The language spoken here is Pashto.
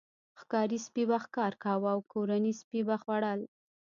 ښکاري سپي به ښکار کاوه او کورني سپي به خوړل.